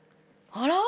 あら！